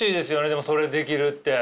でもそれできるって。